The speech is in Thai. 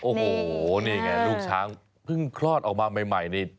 โอ้โหนี่ไงลูกช้างเพิ่งคลอดออกมาใหม่นี่